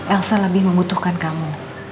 elsa lebih membutuhkan kamu